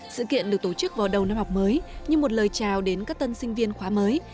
sự kiện được tổ chức vào đầu năm học mới như một lời chào đến các tân sinh viên khóa mới